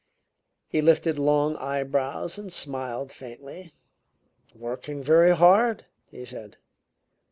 He lifted long eyebrows and smiled faintly. "Working very hard," he said.